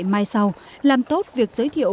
mai sau làm tốt việc giới thiệu